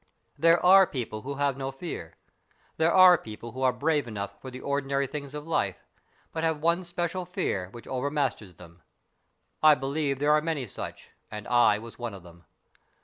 There are people who have no fear. There are people who are brave enough for the ordinary things of life, but have one special fear which overmasters them. I believe there are many such, and I was one of them.